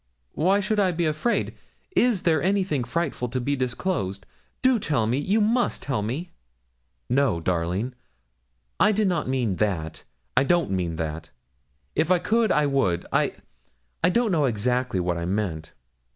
Why should I be afraid? Is there anything frightful to be disclosed? Do tell me you must tell me.' 'No, darling, I did not mean that I don't mean that; I could, if I would; I I don't know exactly what I meant.